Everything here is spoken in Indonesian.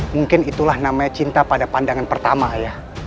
mungkin itulah namanya cinta pada pandangan pertama ya